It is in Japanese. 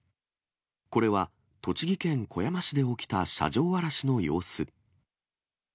これは、栃木県小山市で起きた車上荒らしの様子。